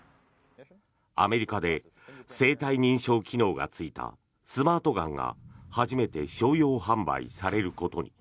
アメリカで生体認証機能がついたスマートガンが初めて商用販売されることに。